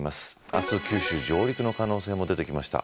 明日、九州上陸の可能性も出てきました。